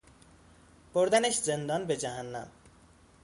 بردنش زندان؟ به جهنم!